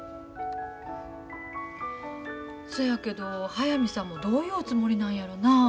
そやけど速水さんもどういうおつもりなんやろな。